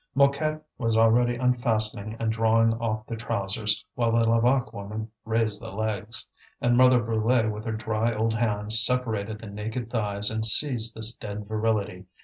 Mouquette was already unfastening and drawing off the trousers, while the Levaque woman raised the legs. And Mother Brulé with her dry old hands separated the naked thighs and seized this dead virility.